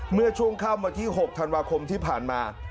เมื่อช่วงค่ำวันที่๖ธันวาคมที่ผ่านมา